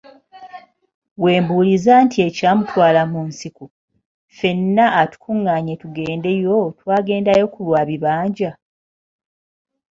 We mbuuliza nti ekyamutwala mu nsiko, ffenna atukungaanye tugendeyo twagendayo ku lwa bibanja?